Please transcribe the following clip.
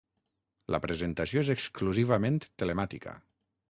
La presentació és exclusivament telemàtica.